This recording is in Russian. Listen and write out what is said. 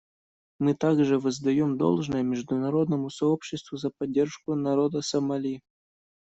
Мы также воздаем должное международному сообществу за поддержку народа Сомали.